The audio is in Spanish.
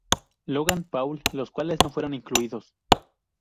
Logan Paul, los cuales no fueron incluidos.